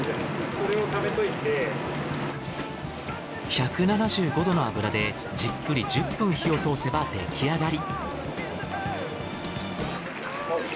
１７５℃の油でじっくり１０分火を通せば出来上がり。